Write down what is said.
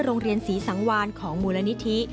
โรงเรียนศรีสังวานของมูลนิธิ